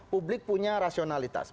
publik punya rasionalitas